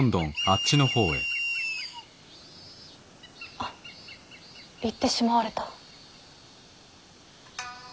あっ行ってしまわれた。